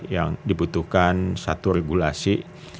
yang dibutuhkan satu regulasi